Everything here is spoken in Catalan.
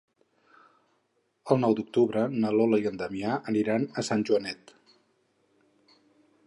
El nou d'octubre na Lola i en Damià aniran a Sant Joanet.